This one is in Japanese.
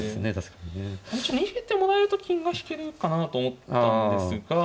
これ一応逃げてもらえると金が引けるかなと思ったんですが。